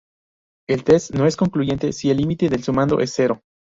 El test no es concluyente si el límite del sumando es cero.